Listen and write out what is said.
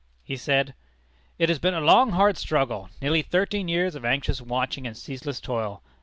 He said: "It has been a long, hard struggle. Nearly thirteen years of anxious watching and ceaseless toil.